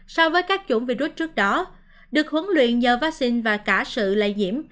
so với các chủng virus trước đó được huấn luyện nhờ vaccine và cả sự lây nhiễm